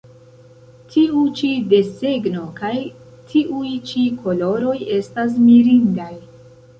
Tiu ĉi desegno kaj tiuj ĉi koloroj estas mirindaj!